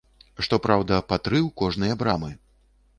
Што праўда, па тры ў кожныя брамы.